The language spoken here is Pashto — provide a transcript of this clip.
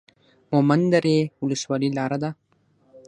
مومند درې ولسوالۍ لاره ده؟